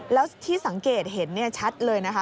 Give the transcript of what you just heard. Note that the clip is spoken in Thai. แล้วที่สังเกตเห็นชัดเลยนะคะ